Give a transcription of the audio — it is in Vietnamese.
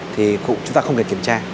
thì chúng ta không cần kiểm tra